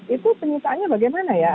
itu penyitaannya bagaimana ya